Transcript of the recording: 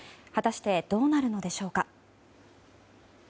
果たしてどうなるのでしょうか。